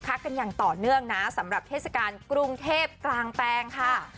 กันอย่างต่อเนื่องนะสำหรับเทศกาลกรุงเทพกลางแปลงค่ะ